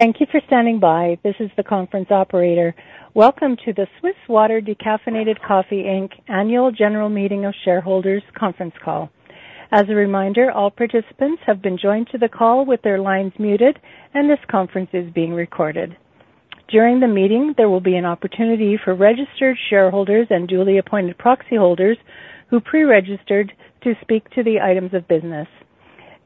Thank you for standing by. This is the conference operator. Welcome to the Swiss Water Decaffeinated Coffee Inc. annual general meeting of Shareholders conference call. As a reminder, all participants have been joined to the call with their lines muted, and this conference is being recorded. During the meeting, there will be an opportunity for registered shareholders and duly appointed proxy holders who pre-registered to speak to the items of business.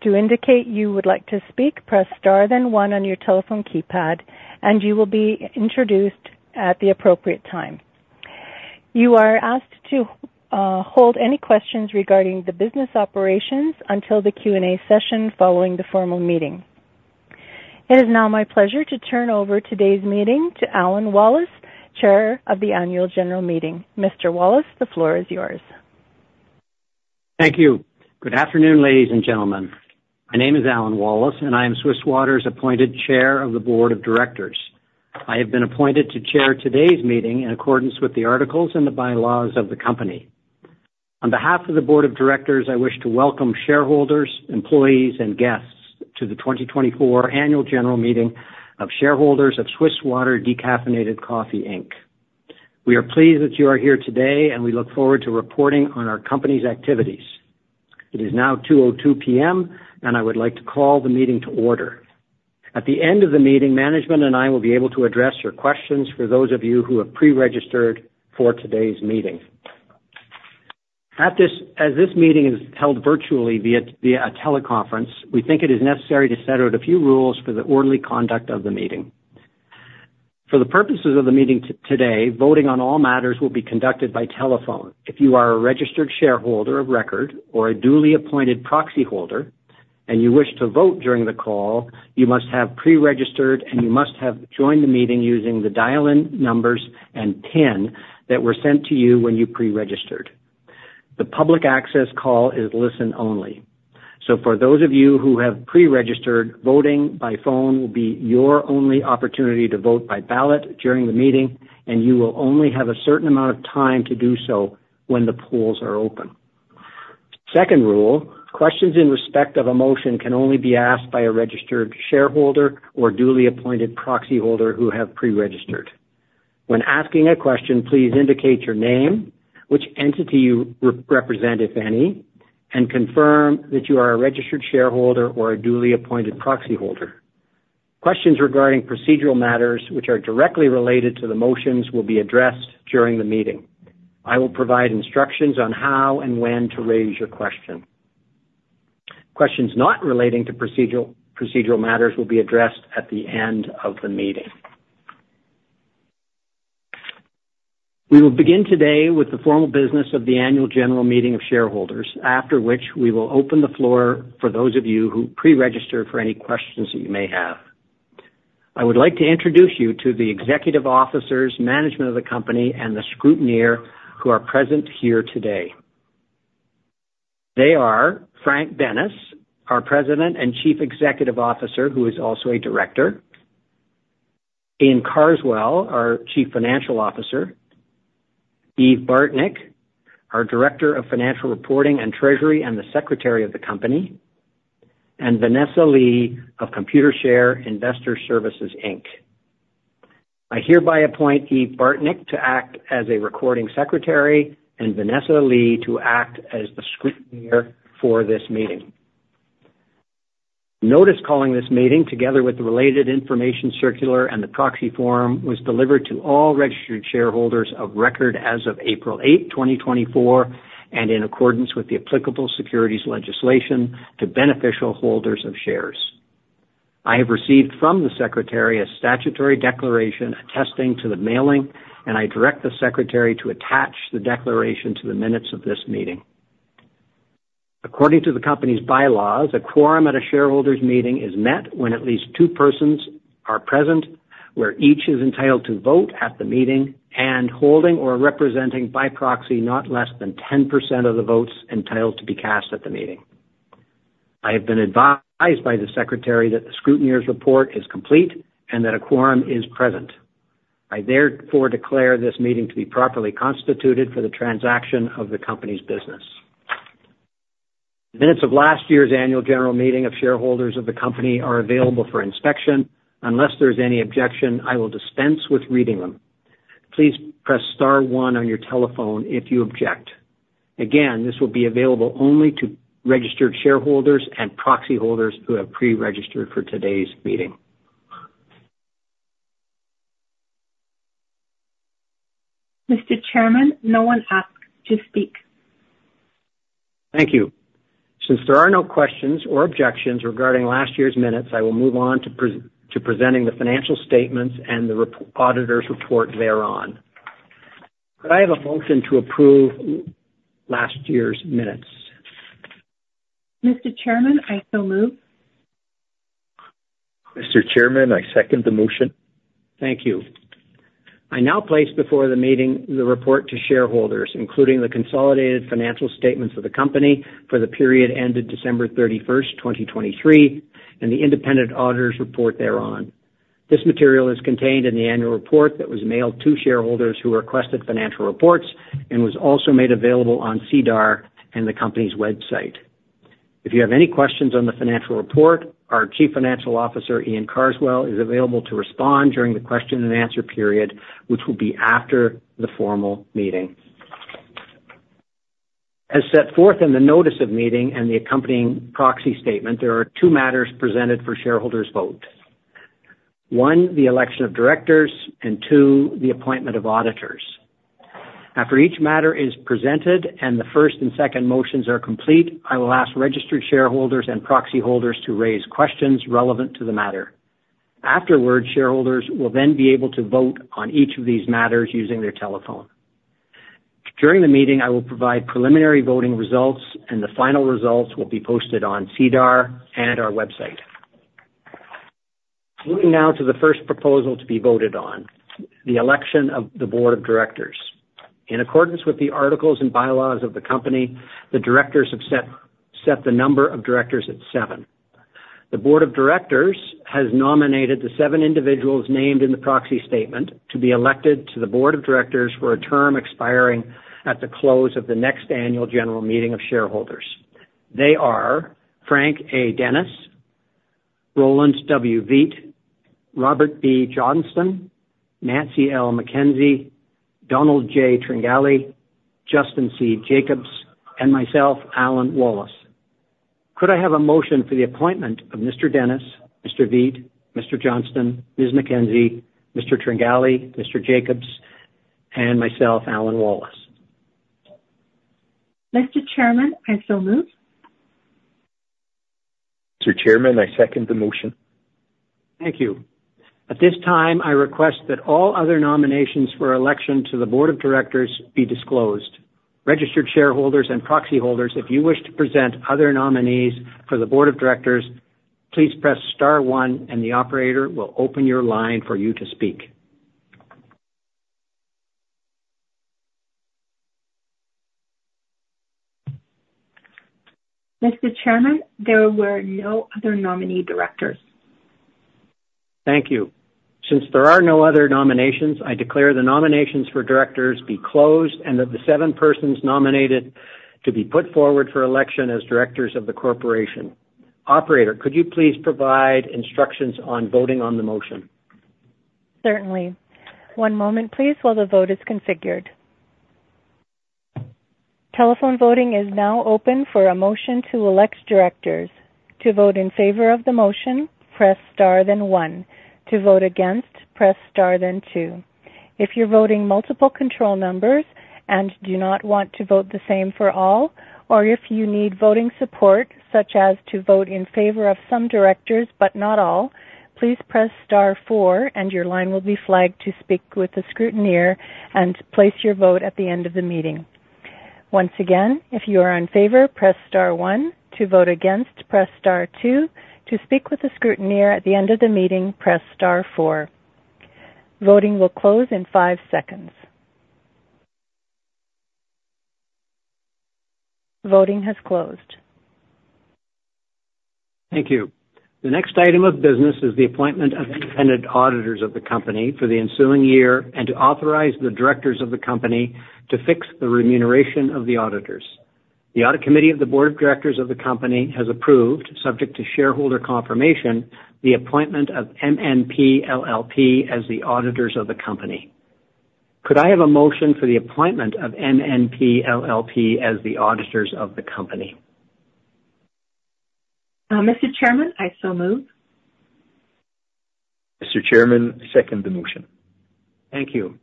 To indicate you would like to speak, press star then one on your telephone keypad, and you will be introduced at the appropriate time. You are asked to hold any questions regarding the business operations until the Q&A session following the formal meeting. It is now my pleasure to turn over today's meeting to Alan Wallace, Chair of the annual general meeting. Mr. Wallace, the floor is yours. Thank you. Good afternoon, ladies and gentlemen. My name is Alan Wallace, and I am Swiss Water's appointed Chair of the Board of Directors. I have been appointed to chair today's meeting in accordance with the articles and the bylaws of the company. On behalf of the Board of Directors, I wish to welcome shareholders, employees, and guests to the 2024 annual general meeting of shareholders of Swiss Water Decaffeinated Coffee Inc. We are pleased that you are here today, and we look forward to reporting on our company's activities. It is now 2:02 P.M., and I would like to call the meeting to order. At the end of the meeting, management and I will be able to address your questions for those of you who have pre-registered for today's meeting. As this meeting is held virtually via a teleconference, we think it is necessary to set out a few rules for the orderly conduct of the meeting. For the purposes of the meeting today, voting on all matters will be conducted by telephone. If you are a registered shareholder of record or a duly appointed proxy holder and you wish to vote during the call, you must have pre-registered, and you must have joined the meeting using the dial-in numbers and pin that were sent to you when you pre-registered. The public access call is listen only. For those of you who have pre-registered, voting by phone will be your only opportunity to vote by ballot during the meeting, and you will only have a certain amount of time to do so when the polls are open. Second rule, questions in respect of a motion can only be asked by a registered shareholder or duly appointed proxy holder who have pre-registered. When asking a question, please indicate your name, which entity you represent, if any, and confirm that you are a registered shareholder or a duly appointed proxy holder. Questions regarding procedural matters which are directly related to the motions will be addressed during the meeting. I will provide instructions on how and when to raise your question. Questions not relating to procedural matters will be addressed at the end of the meeting. We will begin today with the formal business of the annual general meeting of shareholders, after which we will open the floor for those of you who pre-registered for any questions that you may have. I would like to introduce you to the executive officers, management of the company, and the scrutineer who are present here today. They are Frank Dennis, our President and Chief Executive Officer, who is also a Director. Iain Carswell, our Chief Financial Officer. Eve Bartnik, our Director of Financial Reporting and Treasury and the Secretary of the company, and Vanessa Lee of Computershare Investor Services Inc. I hereby appoint Eve Bartnik to act as a recording secretary and Vanessa Lee to act as the scrutineer for this meeting. Notice calling this meeting, together with the related information circular and the proxy form, was delivered to all registered shareholders of record as of April 8, 2024, and in accordance with the applicable securities legislation to beneficial holders of shares. I have received from the secretary a statutory declaration attesting to the mailing, and I direct the secretary to attach the declaration to the minutes of this meeting. According to the company's bylaws, a quorum at a shareholders' meeting is met when at least two persons are present where each is entitled to vote at the meeting and holding or representing by proxy not less than 10% of the votes entitled to be cast at the meeting. I have been advised by the secretary that the scrutineer's report is complete and that a quorum is present. I therefore declare this meeting to be properly constituted for the transaction of the company's business. The minutes of last year's annual general meeting of shareholders of the company are available for inspection. Unless there's any objection, I will dispense with reading them. Please press star one on your telephone if you object. Again, this will be available only to registered shareholders and proxy holders who have pre-registered for today's meeting. Mr. Chairman, no one asked to speak. Thank you. Since there are no questions or objections regarding last year's minutes, I will move on to presenting the financial statements and the auditor's report thereon. Could I have a motion to approve last year's minutes? Mr. Chairman, I so move. Mr. Chairman, I second the motion. Thank you. I now place before the meeting the report to shareholders, including the consolidated financial statements of the company for the period ended December 31st, 2023, and the independent auditor's report thereon. This material is contained in the annual report that was mailed to shareholders who requested financial reports and was also made available on SEDAR and the company's website. If you have any questions on the financial report, our Chief Financial Officer, Iain Carswell, is available to respond during the question and answer period, which will be after the formal meeting. As set forth in the notice of meeting and the accompanying proxy statement, there are two matters presented for shareholders vote. One, the election of directors, and two, the appointment of auditors. After each matter is presented and the first and second motions are complete, I will ask registered shareholders and proxy holders to raise questions relevant to the matter. Afterwards, shareholders will then be able to vote on each of these matters using their telephone. During the meeting, I will provide preliminary voting results, and the final results will be posted on SEDAR and our website. Moving now to the first proposal to be voted on, the election of the board of directors. In accordance with the articles and bylaws of the company, the directors have set the number of directors at seven. The board of directors has nominated the seven individuals named in the proxy statement to be elected to the board of directors for a term expiring at the close of the next annual general meeting of shareholders. They are Frank A. Dennis, Roland W. Veit, Robert B. Johnston, Nancy L. McKenzie, Donald J. Tringali, Justin C. Jacobs, and myself, Alan Wallace. Could I have a motion for the appointment of Mr. Dennis, Mr. Veit, Mr. Johnston, Ms. McKenzie, Mr. Tringali, Mr. Jacobs, and myself, Alan Wallace? Mr. Chairman, I so move. Mr. Chairman, I second the motion. Thank you. At this time, I request that all other nominations for election to the board of directors be disclosed. Registered shareholders and proxy holders, if you wish to present other nominees for the board of directors, please press star one and the operator will open your line for you to speak. Mr. Chairman, there were no other nominee directors. Thank you. Since there are no other nominations, I declare the nominations for directors be closed and that the seven persons nominated to be put forward for election as directors of the corporation. Operator, could you please provide instructions on voting on the motion? Certainly. One moment, please, while the vote is configured. Telephone voting is now open for a motion to elect directors. To vote in favor of the motion, press star then one. To vote against, press star then two. If you're voting multiple control numbers and do not want to vote the same for all, or if you need voting support, such as to vote in favor of some directors but not all, please press star four and your line will be flagged to speak with the scrutineer and place your vote at the end of the meeting. Once again, if you are in favor, press star one. To vote against, press star two. To speak with the scrutineer at the end of the meeting, press star four. Voting will close in five seconds. Voting has closed. Thank you. The next item of business is the appointment of independent auditors of the company for the ensuing year and to authorize the directors of the company to fix the remuneration of the auditors. The audit committee of the board of directors of the company has approved, subject to shareholder confirmation, the appointment of MNP LLP as the auditors of the company. Could I have a motion for the appointment of MNP LLP as the auditors of the company? Mr. Chairman, I so move. Mr. Chairman, I second the motion. Thank you.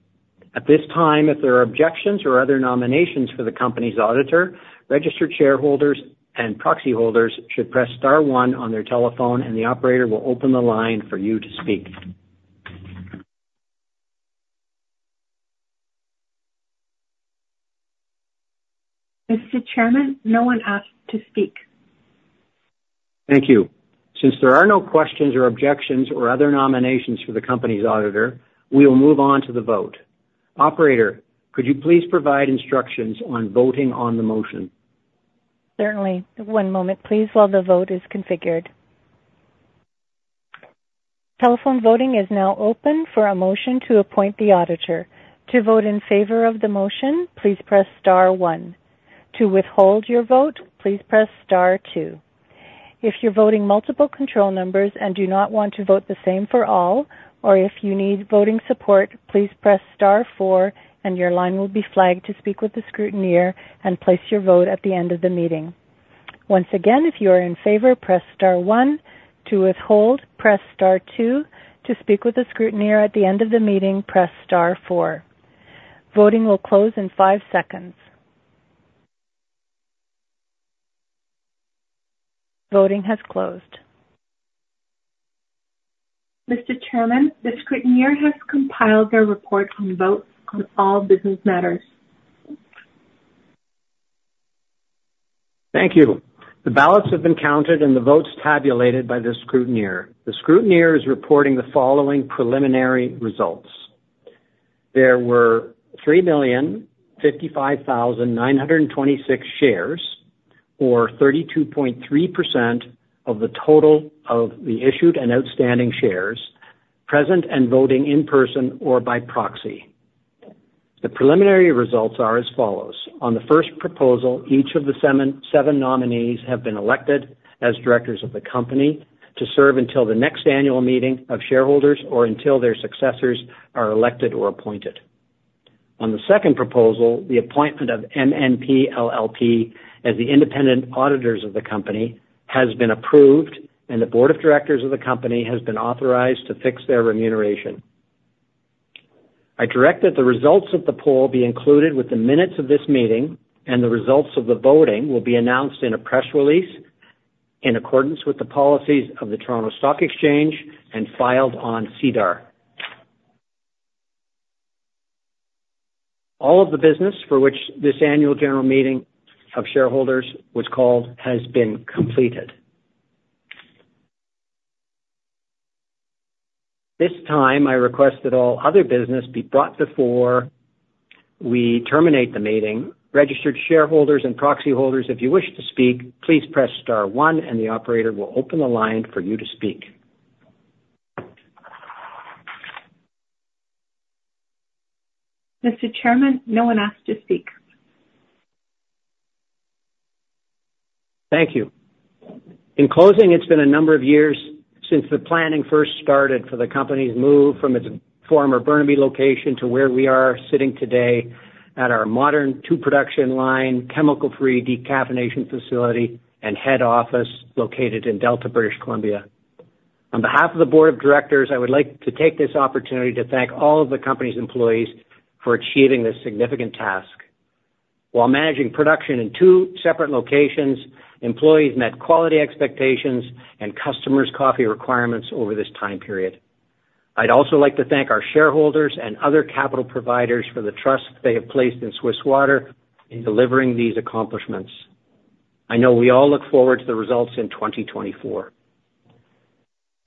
At this time, if there are objections or other nominations for the company's auditor, registered shareholders and proxy holders should press star one on their telephone and the operator will open the line for you to speak. Mr. Chairman, no one asked to speak. Thank you. Since there are no questions or objections or other nominations for the company's auditor, we will move on to the vote. Operator, could you please provide instructions on voting on the motion? Certainly. One moment, please, while the vote is configured. Telephone voting is now open for a motion to appoint the auditor. To vote in favor of the motion, please press star one. To withhold your vote, please press star two. If you're voting multiple control numbers and do not want to vote the same for all, or if you need voting support, please press star four and your line will be flagged to speak with the scrutineer and place your vote at the end of the meeting. Once again, if you are in favor, press star one. To withhold, press star two. To speak with the scrutineer at the end of the meeting, press star four. Voting will close in five seconds. Voting has closed. Mr. Chairman, the scrutineer has compiled their report on votes on all business matters. Thank you. The ballots have been counted and the votes tabulated by the scrutineer. The scrutineer is reporting the following preliminary results. There were 3,055,926 shares or 32.3% of the total of the issued and outstanding shares present and voting in person or by proxy. The preliminary results are as follows. On the first proposal, each of the seven nominees have been elected as directors of the company to serve until the next annual meeting of shareholders or until their successors are elected or appointed. On the second proposal, the appointment of MNP LLP as the independent auditors of the company has been approved, and the board of directors of the company has been authorized to fix their remuneration. I direct that the results of the poll be included with the minutes of this meeting, and the results of the voting will be announced in a press release in accordance with the policies of the Toronto Stock Exchange and filed on SEDAR. All of the business for which this annual general meeting of shareholders was called has been completed. This time I request that all other business be brought before we terminate the meeting. Registered shareholders and proxy holders, if you wish to speak, please press star one and the operator will open the line for you to speak. Mr. Chairman, no one asked to speak. Thank you. In closing, it's been a number of years since the planning first started for the company's move from its former Burnaby location to where we are sitting today at our modern 2-production-line, chemical-free decaffeination facility and head office located in Delta, British Columbia. On behalf of the board of directors, I would like to take this opportunity to thank all of the company's employees for achieving this significant task. While managing production in two separate locations, employees met quality expectations and customers' coffee requirements over this time period. I'd also like to thank our shareholders and other capital providers for the trust they have placed in Swiss Water in delivering these accomplishments. I know we all look forward to the results in 2024.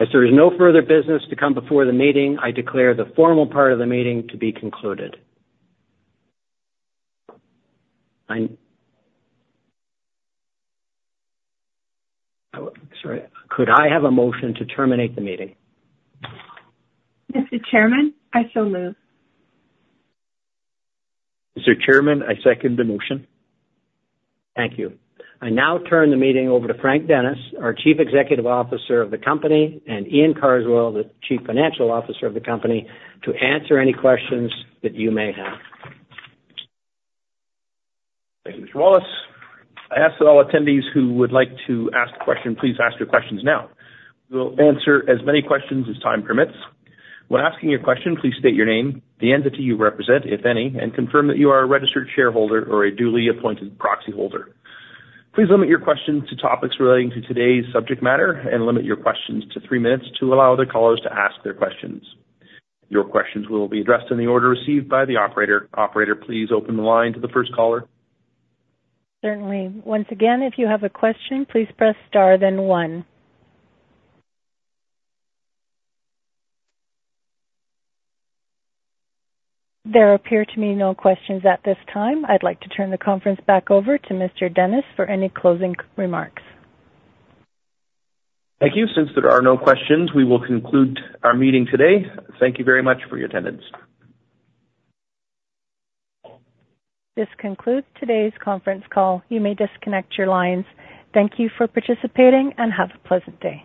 As there is no further business to come before the meeting, I declare the formal part of the meeting to be concluded. Sorry. Could I have a motion to terminate the meeting? Mr. Chairman, I so move. Mr. Chairman, I second the motion. Thank you. I now turn the meeting over to Frank Dennis, our Chief Executive Officer of the company, and Iain Carswell, the Chief Financial Officer of the company, to answer any questions that you may have. Thank you, Mr. Wallace. I ask that all attendees who would like to ask a question, please ask your questions now. We'll answer as many questions as time permits. When asking your question, please state your name, the entity you represent, if any, and confirm that you are a registered shareholder or a duly appointed proxy holder. Please limit your questions to topics relating to today's subject matter and limit your questions to three minutes to allow other callers to ask their questions. Your questions will be addressed in the order received by the operator. Operator, please open the line to the first caller. Certainly. Once again, if you have a question, please press star, then one. There appear to be no questions at this time. I'd like to turn the conference back over to Mr. Dennis for any closing remarks. Thank you. Since there are no questions, we will conclude our meeting today. Thank you very much for your attendance. This concludes today's conference call. You may disconnect your lines. Thank you for participating and have a pleasant day.